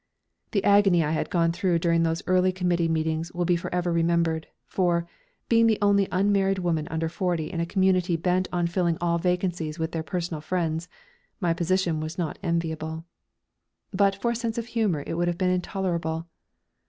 The agony I had gone through during those early committee meetings will be for ever remembered, for, being the only unmarried woman under forty in a community bent on filling all vacancies with their personal friends, my position was not enviable. But for a sense of humour it would have been intolerable.